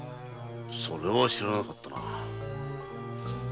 それは知らなかったな。